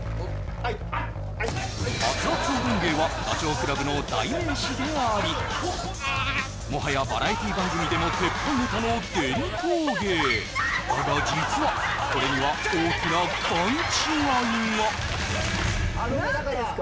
はいアッツ！はダチョウ倶楽部の代名詞でありもはやバラエティ番組でも鉄板ネタの伝統芸だが実はこれには何ですか？